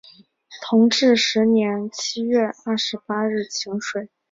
然而因为同治十年七月廿八日请水。